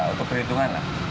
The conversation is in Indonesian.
untuk perhitungan lah